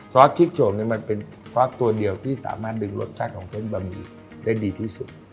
ซอสคิกโจมมันเป็นซอสตัวเดียวที่สามารถดึงรสชาติของเส้นบะหมี่ได้ดีที่สุด